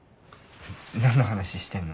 何の話してんの？